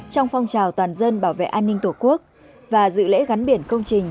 trong phong trào toàn dân bảo vệ an ninh tổ quốc và dự lễ gắn biển công trình